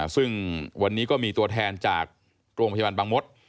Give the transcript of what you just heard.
ซึ่งวันนี้ก็มีตัวแทนจากโรงพยาบาลบางมศ